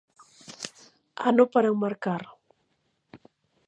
Ano para enmarcar.